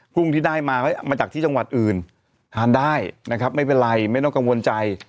กุ้งที่ได้มามาจากที่จังหวัดอื่นทานได้นะครับไม่เป็นไรไม่ต้องกังวลใจ